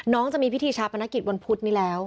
จะมีพิธีชาปนกิจวันพุธนี้แล้ว